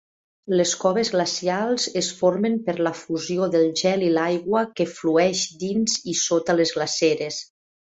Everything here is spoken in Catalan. Les coves glacials es formen per la fusió del gel i l'aigua que flueix dins i sota les glaceres.